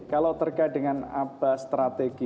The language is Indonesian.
kalau terkait dengan apa strategi